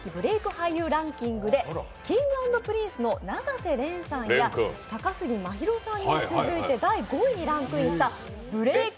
俳優ランキングでＫｉｎｇ＆Ｐｒｉｎｃｅの永瀬廉さんや高杉真宙さんに続いて第５位にランクインしたブレイク